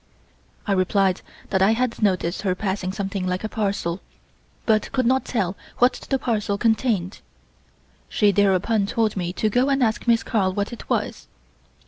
I replied that I had noticed her passing something like a parcel, but could not tell what the parcel contained. She thereupon told me to go and ask Miss Carl what it was.